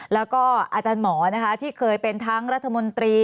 แล้วก็อาจารย์หมอนะคะที่เคยเป็นทั้งรัฐมนตรี